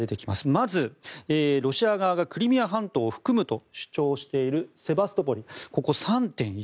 まず、ロシア側がクリミア半島を含むと主張しているセバストポリここ３．１６％。